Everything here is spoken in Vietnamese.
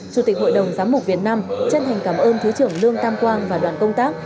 chủ tịch hội đồng giám mục việt nam chân thành cảm ơn thứ trưởng lương tam quang và đoàn công tác